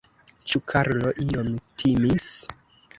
Ĉu Karlo iom timis?